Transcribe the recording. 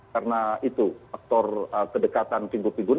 karena itu faktor kedekatan figur figur